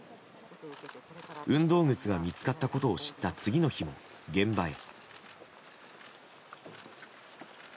運動靴が見つかったことを知った次の日も現場へ。